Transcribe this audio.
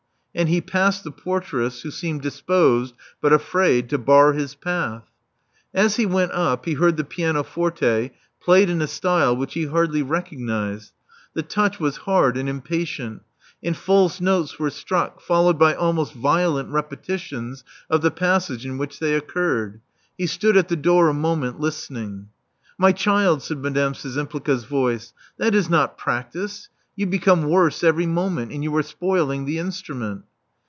And he passed the portress, who seemed disposed, but afraid, to bar his path. As he went up, he heard the pianoforte played in a style which he hardly recognized. The touch was hard and impatient: and false notes were struck, followed by almost violent repetitions of the passage in which they occurred. He stood at the door a moment, listening. My child," said Madame Szczympliga's voice: "that is not practice. You become worse every moment: and you are spoiling the instrument."